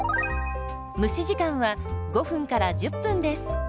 蒸し時間は５１０分です。